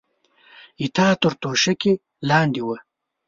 ستا تر توشکې لاندې وه.